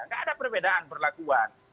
tidak ada perbedaan perlakuan